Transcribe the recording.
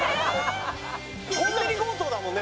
コンビニ強盗だもんね。